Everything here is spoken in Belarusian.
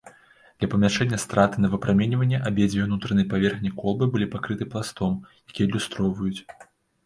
Для памяншэння страты на выпраменьванне абедзве ўнутраныя паверхні колбы былі пакрыты пластом, які адлюстроўваюць.